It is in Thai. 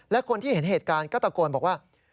และคนที่เห็นเหตุการณ์ก็ตะโกนบอกว่า